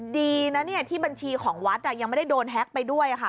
ดีนะเนี่ยที่บัญชีของวัดยังไม่ได้โดนแฮ็กไปด้วยค่ะ